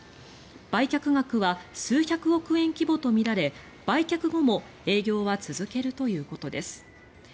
売却額は数百億円規模とみられ売却後も営業は続けるということです。